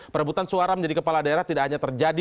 perebutan suara menjadi kepala daerah tidak hanya terjadi